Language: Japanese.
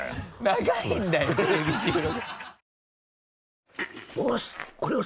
長いんだよテレビ収録。